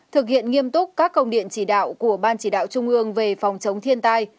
thực hiện nghiêm túc các công điện chỉ đạo của ban chỉ đạo trung ương về phòng chống thiên tai